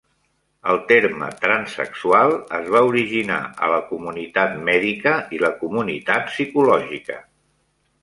El terme "transsexual" es va originar a la comunitat mèdica i la comunitat psicològica.